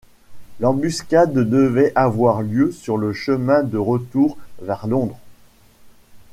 L'embuscade devait avoir lieu sur le chemin de retour vers Londres.